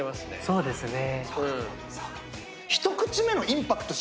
そうですね。